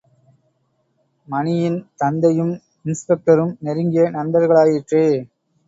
மணியின் தந்தையும் இன்ஸ்பெக்டரும் நெருங்கிய நண்பர்களாயிற்றே!